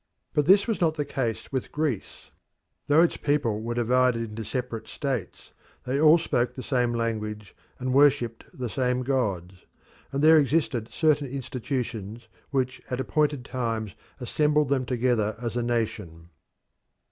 But this was not the case with Greece. Though its people were divided into separate states, they all spoke the same language and worshipped the same gods, and there existed certain institutions which at appointed times assembled them together as a nation.